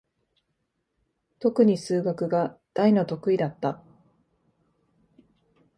とくに数学が大の得意だった。